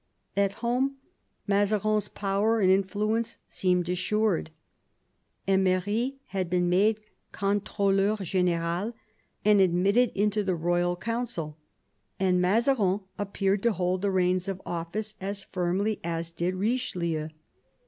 At home Mazarin's power and influence seemed assured. Emery had been made corUrdleur g^n^al and admitted into the royal Council, and Mazarin appeared to hold the reins of office as firmly as did Eichelieu.